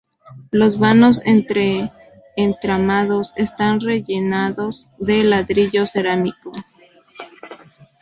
Los vanos entre entramados están rellenados de ladrillo cerámico.